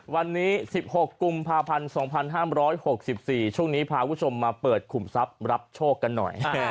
วันนี้๑๖กุมภาพันธ์๒๕๖๔ช่วงนี้พาคุณผู้ชมมาเปิดขุมทรัพย์รับโชคกันหน่อย